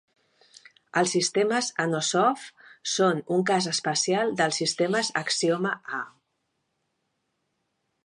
Els sistemes Anosov són un cas especial dels sistemes Axioma A.